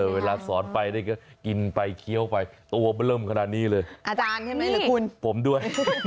เวลาสอนไปกินไปเกี่ยวไปกินไปกินไปโตวง่อนเริ่มขนาดนี้เลย